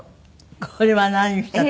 これは何した時？